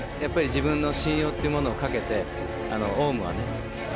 自分の信用というものを懸けてオウムはね